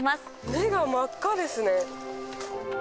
目が真っ赤ですね。